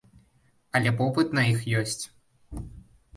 Але попыт на іх ёсць.